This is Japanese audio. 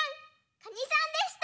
カニさんでした。